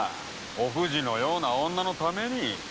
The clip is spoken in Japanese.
お藤のような女のために！